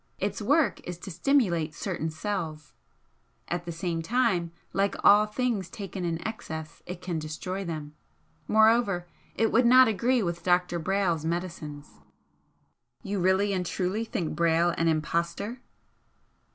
Its work is to stimulate certain cells at the same time (like all things taken in excess) it can destroy them. Moreover, it would not agree with Dr. Brayle's medicines." "You really and truly think Brayle an impostor?"